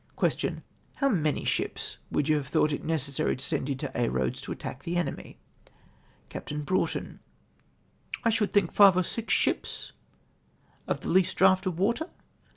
Question. — "How many ships would you have thought it necessary to send into Aix Roads to attack the enemy ?" Capt. Broughton. — "I should think flue or six ships of the least draught of water."